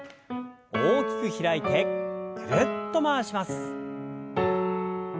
大きく開いてぐるっと回します。